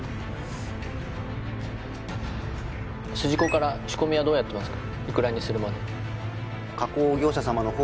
すじこから仕込みはどうやってますか？